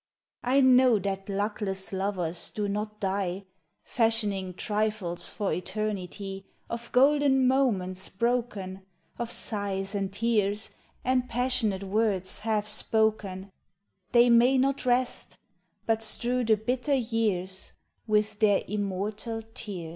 I know that luckless lovers do not die, Fashioning trifles for eternity Of golden moments broken, Of sighs and tears and passionate words half spoken, They may not rest, but strew the bitter years With their immortal tears.